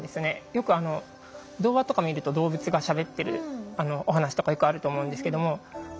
よく童話とか見ると動物がしゃべってるお話とかよくあると思うんですけどもへえ。